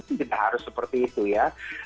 mungkin kita harus seperti itu ya